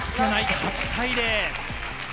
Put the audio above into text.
８対０。